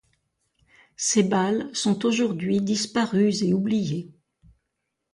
Ces bals sont aujourd'hui disparus et oubliés.